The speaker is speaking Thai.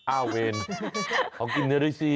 อ้าเวรขอกินเนื้อด้วยสิ